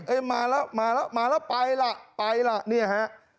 มาแล้วมาแล้วมาแล้วไปล่ะไปล่ะเนี่ยฮะ